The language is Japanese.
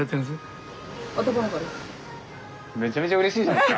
めちゃめちゃうれしいじゃないすか。